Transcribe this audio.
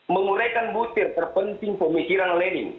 menguraikan butir terpenting pemikiran leni